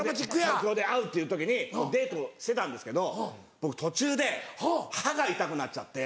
東京で会うっていう時にデートしてたんですけど僕途中で歯が痛くなっちゃって。